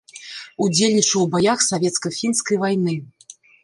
Удзельнічаў у баях савецка-фінскай вайны.